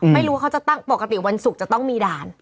ไม่รู้ว่าเขาจะตั้งปกติวันศุกร์จะต้องมีด่าน